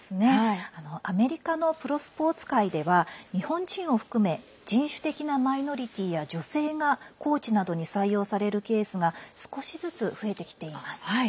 アメリカのプロスポーツ界では日本人を含め人種的なマイノリティーや女性がコーチなどに採用されるケースが少しずつ増えてきています。